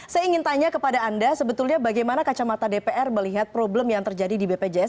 saya ingin tanya kepada anda sebetulnya bagaimana kacamata dpr melihat problem yang terjadi di bpjs